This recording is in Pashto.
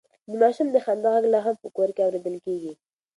د ماشوم د خندا غږ لا هم په کور کې اورېدل کېږي.